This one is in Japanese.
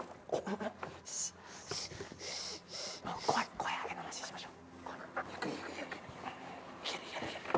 声上げんのなしにしましょう。